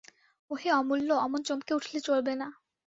ওহে অমূল্য, অমন চমকে উঠলে চলবে না।